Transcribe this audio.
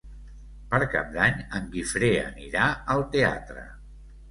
Per Cap d'Any en Guifré anirà al teatre.